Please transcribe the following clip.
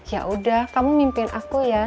ya udah kamu mimpin aku ya